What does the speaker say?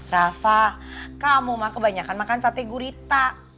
rafa kamu kebanyakan makan sate gurita